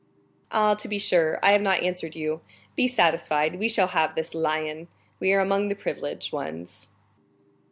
"Ah, to be sure, I have not answered you; be satisfied, we shall have this 'lion'; we are among the privileged ones."